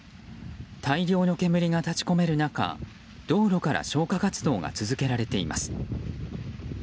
大量の煙が立ち込める中道路から消火活動が続けられいています。